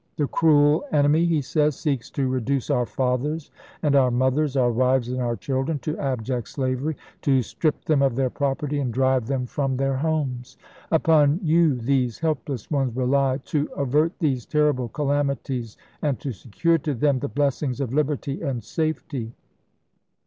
"The cruel enemy," he says, " seeks to reduce our fathers and our mothers, our wives and our children, to abject slavery ; to strip them of their property, and drive them from their 248 ABKAHAM LINCOLN CHAP. IX. homes. Upon you these helpless ones rely to avert these terrible calamities, and to secure to them the blessings of liberty and safety."